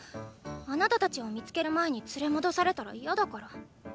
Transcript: あなた達を見付ける前に連れ戻されたら嫌だから。